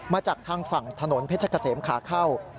มาจากทางฝั่งถนนเพชรเกษมขาเข้า